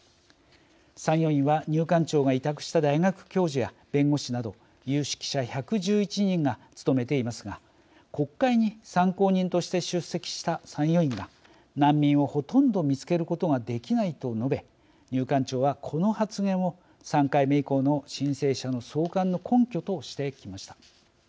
参与員は入管庁が委託した大学教授や弁護士など有識者１１１人が務めていますが国会に参考人として出席した参与員が難民をほとんど見つけることができないと述べ、入管庁はこの発言を３回目以降の申請者の送還の根拠としてきました。